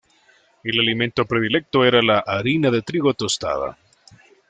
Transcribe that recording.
El alimento predilecto era la harina de trigo tostada.